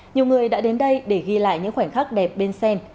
nhiều người đã đến đây để ghi lại những khoảnh khắc đẹp bên sen